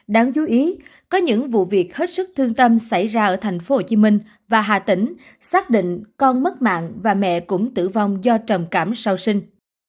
đáng dú ý có những vụ việc hết sức thương tâm xảy ra ở thành phố hồ chí minh và hà tĩnh xác định con mất mạng và mẹ cũng tử vong do trồng cảm sau sinh